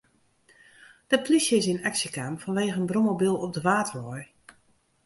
De plysje is yn aksje kaam fanwegen in brommobyl op de Wâldwei.